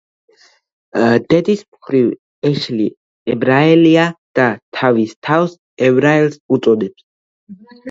დედის მხრივ ეშლი ებრაელია და თავის თავს ებრაელს უწოდებს.